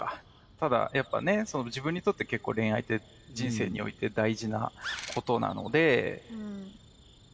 ただやっぱね自分にとって結構恋愛って人生において大事なことなので。